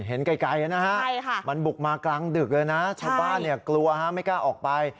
เห็นไกลนะฮะมันบุกมากลางดึกเลยนะชาวบ้านกลัวไม่กล้าออกไป